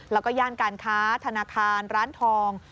แล้วก็ย่านการค้าธนาคารร้านทอง